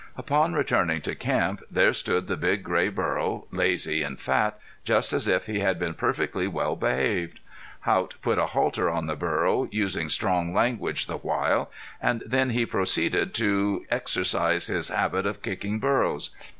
Upon returning to camp there stood the big gray burro, lazy and fat, just as if he had been perfectly well behaved. Haught put a halter on the burro, using strong language the while, and then he proceeded to exercise his habit of kicking burros.